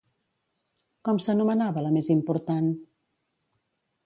Com s'anomenava la més important?